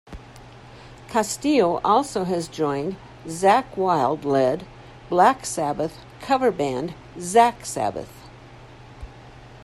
Castillo also has joined Zakk Wylde-led Black Sabbath cover band Zakk Sabbath.